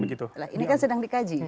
ini kan sedang dikaji